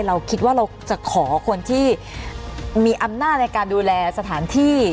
เราคิดว่าเราจะขอคนที่มีอำนาจในการดูแลสถานที่